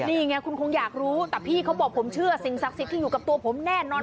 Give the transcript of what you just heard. นี่ไงคุณคงอยากรู้แต่พี่เขาบอกผมเชื่อสิ่งศักดิ์สิทธิ์ที่อยู่กับตัวผมแน่นอน